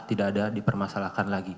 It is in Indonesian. tidak ada dipermasalahkan lagi